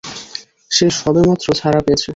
সে সবেমাত্র ছাড়া পেয়েছে।